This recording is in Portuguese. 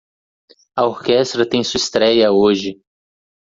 A orquestra tem sua estréia hoje.